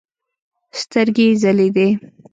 سترګې يې ځلېدې.